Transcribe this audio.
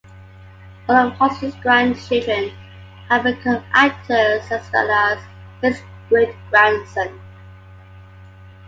All of Huston's grandchildren have become actors, as well as his great-grandson.